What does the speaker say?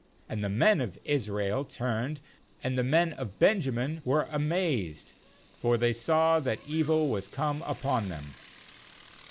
^And the men of Israel turned, and the men of Benjamin were amazed; for they saw that evil was come upon them.